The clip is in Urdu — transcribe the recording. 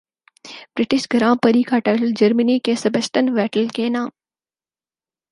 برٹش گراں پری کا ٹائٹل جرمنی کے سبسٹن ویٹل کے نام